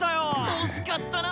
惜しかったな。